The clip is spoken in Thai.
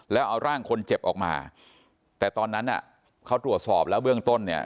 แล้วเอาร่างคนเจ็บออกมาแต่ตอนนั้นน่ะเขาตรวจสอบแล้วเบื้องต้นเนี่ย